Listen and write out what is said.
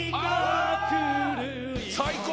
「最高！